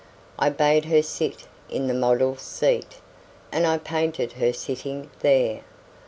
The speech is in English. I bade her sit in the model's seat And I painted her sitting there.